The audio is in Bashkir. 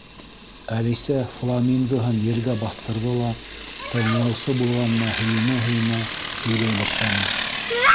Әлисә фламингоһын ергә баҫтырҙы ла, тыңлаусы булғанына һөйөнә-һөйөнә һөйләй башланы.